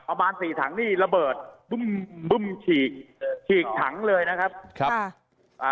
ประมาณสี่ถังนี่ระเบิดบึ้มบึ้มฉีกฉีกถังเลยนะครับครับค่ะอ่า